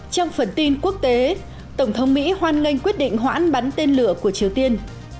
trong phần tin quốc tế tổng thống mỹ hoan nghênh quyết định hoãn bắn tên lửa của triều tiên